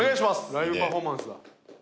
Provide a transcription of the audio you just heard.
ライブパフォーマンスだ。